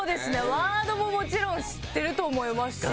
ワードももちろん知ってると思いますし。